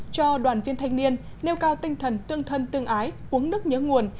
cho đoàn viên thanh niên nêu cao tinh thần tương thân tương ái uống nước nhớ nguồn